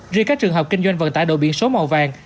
riêng các trường hợp kinh doanh vận tải đồ biển số màu vàng